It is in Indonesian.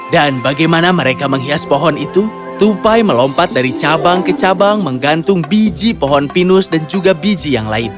dan bagaimana mereka menghias pohon itu tupai melompat dari cabang ke cabang menggantung biji pohon pinus dan juga biji yang lain